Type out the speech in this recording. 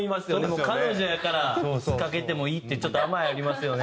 もう彼女やからいつかけてもいいってちょっと甘えありますよね。